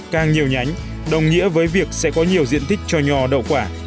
càng nhiều nhánh đồng nghĩa với việc sẽ có nhiều diện tích cho nho đậu quả